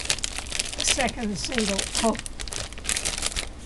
A second single Oh!